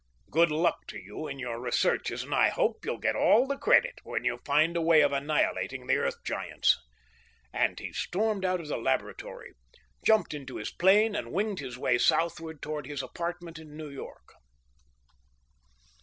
Good luck to you in your researches, and I hope you'll get all the credit when you find a way of annihilating the Earth Giants." And he stormed out of the laboratory, jumped into his plane, and winged his way southward toward his apartment in New York.